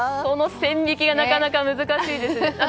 その線引きがなかなか難しいですね。